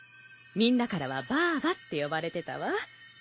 みんなからはバーバって呼ばれてたわ。